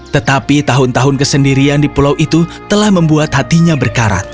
tetapi tahun tahun kesendirian di pulau itu telah membuat hatinya berkarat